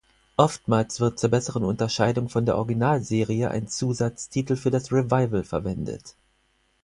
Oftmals wird zur besseren Unterscheidung von der Originalserie ein Zusatztitel für das Revival verwendet.